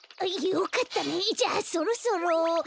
よかったねじゃあそろそろ。